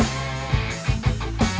jaya balikin sepatu gue